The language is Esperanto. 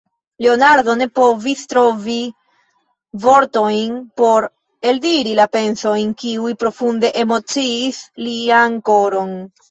Leonardo ne povis trovi vortojn por eldiri la pensojn, kiuj profunde emociis lian koron.